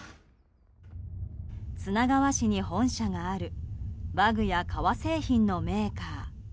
砂川市に本社があるバッグや革製品のメーカー。